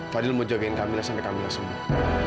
fadil mau jagain kamila sampai kamila sembuh